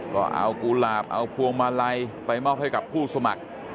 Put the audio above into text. ก็เอากุหลาบเอาพวงมาลัยไปมอบให้กับผู้สมัคร